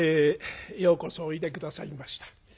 ようこそおいで下さいました。